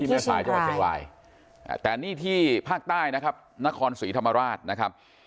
แม่สายจังหวัดเชียงรายแต่นี่ที่ภาคใต้นะครับนครศรีธรรมราชนะครับ